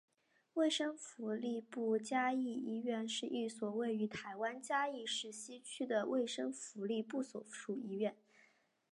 卫生福利部嘉义医院是一所位于台湾嘉义市西区的卫生福利部所属医院。